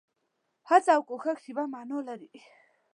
هڅه او کوښښ يوه مانا لري.